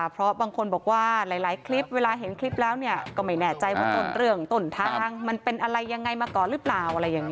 เพราะบางคนบอกว่าหลายคลิปเวลาเห็นคลิปแล้วก็ไม่แน่ใจว่าต้นทางมันเป็นอะไรยังไงมาก่อนหรือเปล่า